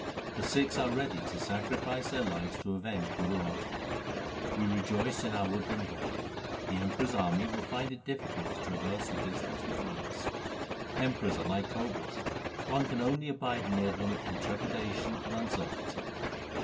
The Sikhs are ready to sacrifice their lives to avenge Guru Arjan. We rejoice in our woodland life. The Emperor's army will find it difficult to traverse the distance between us. Emperors are like cobras. One can only abide near them in trepidation and uncertainty.